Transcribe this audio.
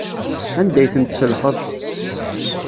Anda ay ten-tselxeḍ?